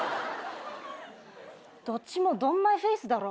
どっちもドンマイフェイスだろ。